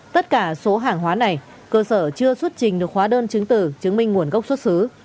tất cả số hàng hóa này cơ sở chưa xuất trình được hóa đơn chứng tử chứng minh nguồn gốc xuất xứ